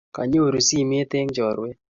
Kanyoru simet eng choruet